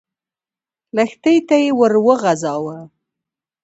لښتي ته يې ور وغځاوه.